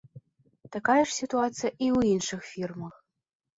Такая ж сітуацыя і ў іншых фірмах.